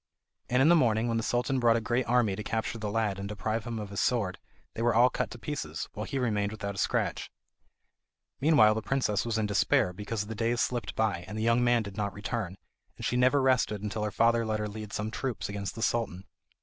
And in the morning, when the Sultan brought a great army to capture the lad and deprive him of his sword, they were all cut to pieces, while he remained without a scratch. Meanwhile the princess was in despair because the days slipped by, and the young man did not return, and she never rested until her father let her lead some troops against the Sultan.